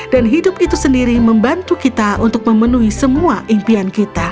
dan hidup itu sendiri membantu kita untuk memenuhi semua impian kita